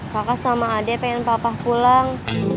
pakas sama ade pengen papah pulang